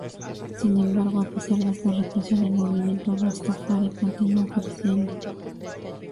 Sin embargo, a pesar de esta represión, el movimiento rastafari continuó creciendo.